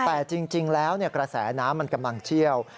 แต่จริงแล้วกระแสน้ำมันกำลังเชี่ยว